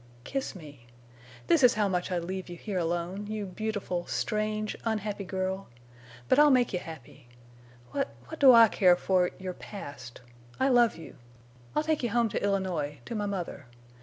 Kiss me! This is how much I'd leave you here alone—you beautiful, strange, unhappy girl. But I'll make you happy. What—what do I care for—your past! I love you! I'll take you home to Illinois—to my mother.